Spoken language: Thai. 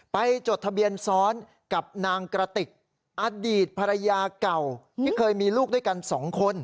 จดทะเบียนซ้อนกับนางกระติกอดีตภรรยาเก่าที่เคยมีลูกด้วยกัน๒คน